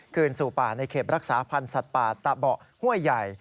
คืนสู่ป่าในเขตรักษาพันธ์สัตว์ป่าตะเบาะห้วยใหญ่